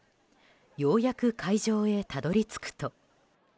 ようやく会場へたどり着くと。